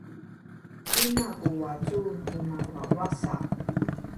Pina ku wacu nina wawa saw?